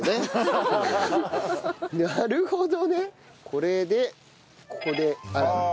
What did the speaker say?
これでここで洗う。